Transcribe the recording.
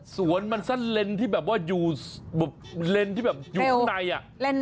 สวนมันสั้นเลนที่แบบว่าอยู่เลนส์ที่แบบอยู่ข้างในอ่ะ